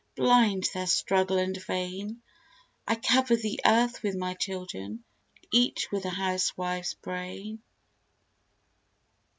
Blind their struggle and vain! I cover the earth with my children each with a housewife's brain.